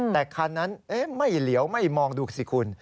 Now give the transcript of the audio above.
แต่คันนั้นไม่เหลียวไม่มองดูสิคุณ